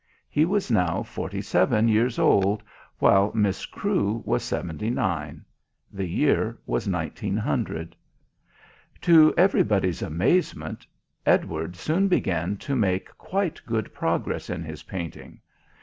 He was now forty seven years old, while Miss Crewe was seventy nine. The year was 1900. To everybody's amazement Edward soon began to make quite good progress in his painting.